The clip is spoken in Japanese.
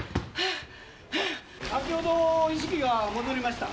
先ほど意識が戻りました。